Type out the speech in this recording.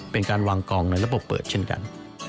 เป็นการวางกองในระบบเปิดเช่นกัน